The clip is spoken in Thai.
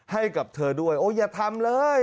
ให้กับเธอด้วยโอ้อย่าทำเลย